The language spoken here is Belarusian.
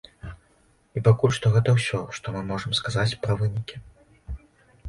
І пакуль што гэта ўсё, што мы можам сказаць пра вынікі.